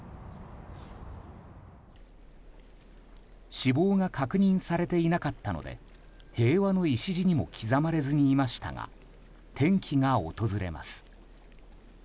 死亡が確認されていなかったので平和の礎にも刻まれずにいましたが転機が訪れます。